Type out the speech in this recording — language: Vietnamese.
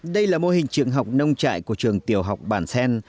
đây là mô hình trường học nông trại của trường tiểu học bản xen